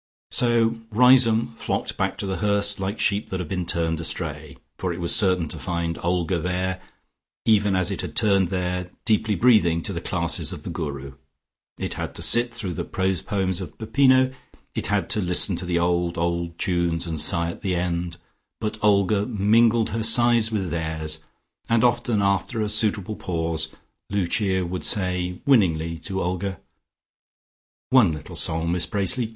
So Riseholme flocked back to The Hurst like sheep that have been astray, for it was certain to find Olga there, even as it had turned there, deeply breathing, to the classes of the Guru. It had to sit through the prose poems of Peppino, it had to listen to the old, old tunes and sigh at the end, but Olga mingled her sighs with theirs, and often after a suitable pause Lucia would say winningly to Olga: "One little song, Miss Bracely.